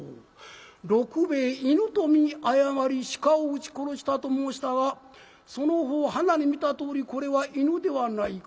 六兵衛犬と見誤り鹿を打ち殺したと申したがその方歯並み見たとおりこれは犬ではないか？